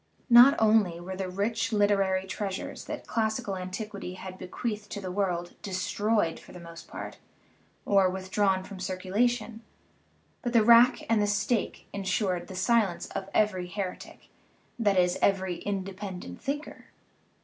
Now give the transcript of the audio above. Not only were the rich literary treasures that classical an tiquity had bequeathed to the world destroyed for the most part, or withdrawn from circulation, but the rack and the stake insured the silence of every heretic that is, every independent thinker.